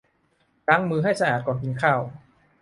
ล้างมือให้สะอาดก่อนกินข้าว